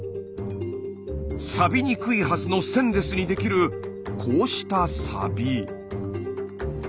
サビにくいはずのステンレスにできるこうしたサビ。